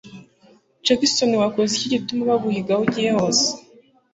Jackson wakoze iki gituma baguhiga aho ugiye hose